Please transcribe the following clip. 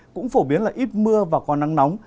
cũng phổ biến là ít mưa và có nắng nóng